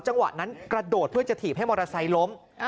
จังหวะนั้นกระโดดเพื่อจะถีบให้มอเตอร์ไซค์ล้ม